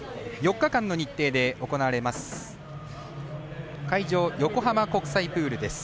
４日間の日程で行われます。